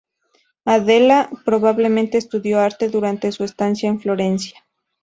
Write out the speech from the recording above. Adela probablemente estudió arte durante su estancia en Florencia.